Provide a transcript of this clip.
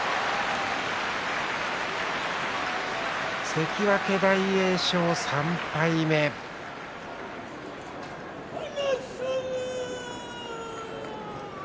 関脇大栄翔、３敗目です。